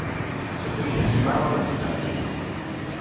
The city has rebounded from that period.